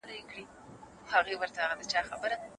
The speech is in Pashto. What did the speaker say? خلک باید ژمنه وساتي.